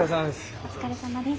お疲れさまです。